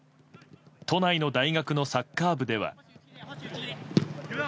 都内の大学のサッカー部では。